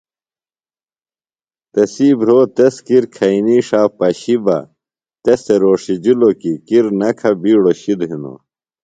تسی بھروۡ تس کِر کھئینی ݜا پشیۡ بہ تس تھےۡ روݜِجِلوۡ کی کِر نہ کھہ بیڈوۡ شِد ہِنوۡ۔